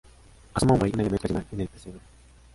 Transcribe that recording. Asoma un buey, un elemento tradicional en el pesebre.